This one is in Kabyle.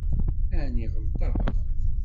Ɛni ɣelṭeɣ?